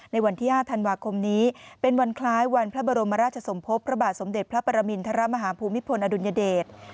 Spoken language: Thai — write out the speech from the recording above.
ในวันที่๕ธันวาคมนี้เป็นวันคล้ายวันพระบรมราชสมภพพระบาทสมเด็จพระปรมินทรมาฮาภูมิพลอดุลยเดช